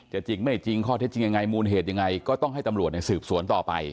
จริงไม่จริงข้อเท็จจริงยังไงมูลเหตุยังไงก็ต้องให้ตำรวจสืบสวนต่อไป